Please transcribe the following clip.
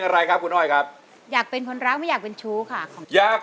ชายหนีก่อนต้องซื้ออยู่นี่นะครับ